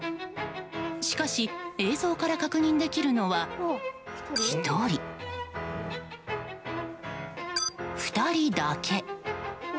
しかし、映像から確認できるのは１人、２人だけ。